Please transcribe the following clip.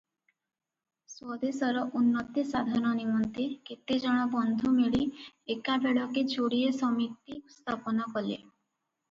ସ୍ୱଦେଶର ଉନ୍ନତି ସାଧନ ନିମନ୍ତେ କେତେଜଣ ବନ୍ଧୁ ମିଳି ଏକାବେଳକେ ଯୋଡ଼ିଏ ସମିତି ସ୍ଥାପନ କଲେ ।